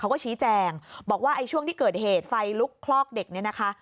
เขาก็ชี้แจงบอกว่าไอ้ช่วงที่เกิดเหตุไฟลุกคลอกเด็กเนี่ยนะคะ